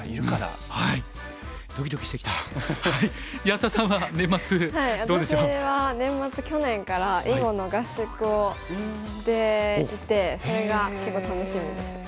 私は年末去年から囲碁の合宿をしていてそれが結構楽しみですね。